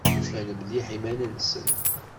Ufan mliḥ iman-nsen.